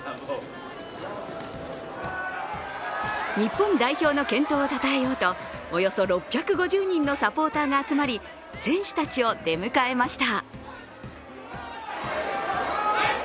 日本代表の健闘をたたえようと、およそ６５０人のサポーターが集まり選手たちを出迎えました。